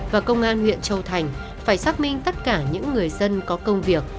và công an huyện châu thành phải xác minh tất cả những người dân có công việc